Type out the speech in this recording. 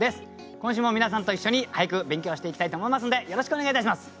今週も皆さんと一緒に俳句勉強していきたいと思いますんでよろしくお願いいたします。